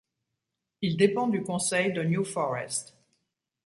Il dépend du conseil de New Forest.